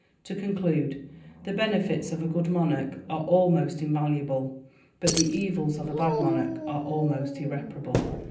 To conclude: "The benefits of a good monarch are almost invaluable, but the evils of a bad monarch are almost irreparable."